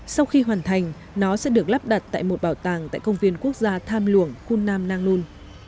sau khi hoàn thành nó sẽ được lắp đặt tại một bảo tàng tại công viên quốc gia tham luộng khu nam nang nun